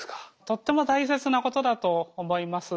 とっても大切なことだと思います。